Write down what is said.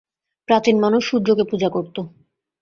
প্রাচীন মানুষ সূর্যকে পূজা করত।